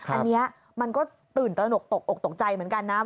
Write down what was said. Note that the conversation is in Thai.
อันนี้มันก็ตื่นตระหนกตกอกตกใจเหมือนกันนะ